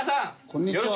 こんにちは。